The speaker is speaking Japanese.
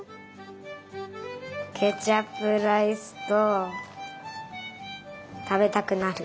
ケチャップライスとたべたくなる。